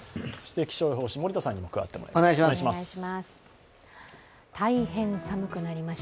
気象予報士、森田さんにも加わってもらいます。